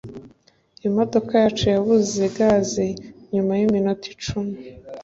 Imodoka yacu yabuze gaze nyuma yiminota icumi